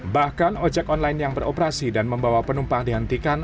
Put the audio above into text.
bahkan ojek online yang beroperasi dan membawa penumpang dihentikan